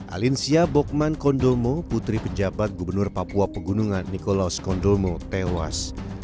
alinsia bokman kondomo putri pejabat gubernur papua pegunungan nikolaus kondomo tewas